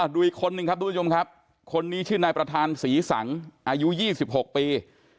ดูอีกคนนึงครับคนนี้ชื่อนายประธานศรีสังอายุ๒๖ปี